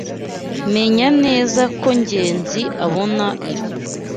Menya neza ko Ngenzi abona ibi.